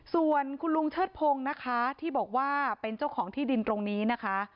ส่วนคุณลุงเชิดพงศ์นะคะที่บอกว่าเป็นเจ้าของที่ดินตรงนี้นะคะ